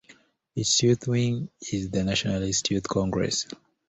Its youth wing is the Nationalist Youth Congress.